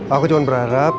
aku cuma berharap